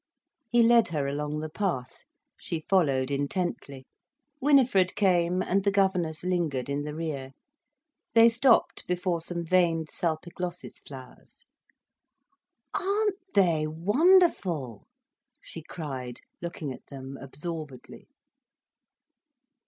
He led her along the path. She followed intently. Winifred came, and the governess lingered in the rear. They stopped before some veined salpiglossis flowers. "Aren't they wonderful?" she cried, looking at them absorbedly.